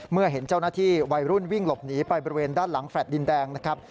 เมื่อเห็นเจ้าหน้าที่วัยรุ่นวิ่งหลบหนีไปบริเวณด้านหลังแฟลต์ดินแดงนะครับ